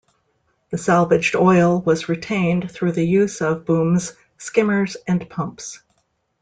The salvaged oil was retained through the use of booms, skimmers, and pumps.